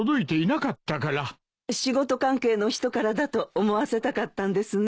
仕事関係の人からだと思わせたかったんですね。